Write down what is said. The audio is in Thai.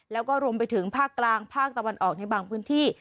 แล้วก็รวมไปถึงภาคกลางภาคตะวันออกในบางพื้นที่